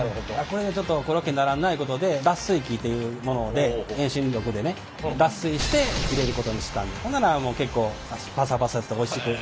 これじゃあちょっとコロッケにならんないうことで脱水機ていうもので遠心力でね脱水して入れることにしたほんならもう結構パサパサしておいしく。